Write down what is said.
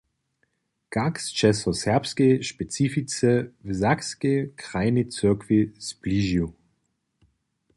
Kak sće so serbskej specifice w sakskej krajnej cyrkwi zbližił?